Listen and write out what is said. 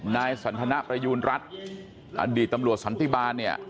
นายสันทนประยูณรัฐอดีตตำรวจสันติบาลเนี่ย